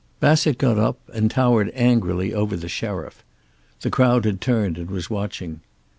Bassett got up and towered angrily over the sheriff. The crowd had turned and was watching.